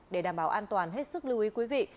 để đảm bảo an toàn hết sức lưu ý quý vị